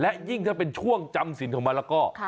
และยิ่งถ้าเป็นช่วงจำสินของมันแล้วก็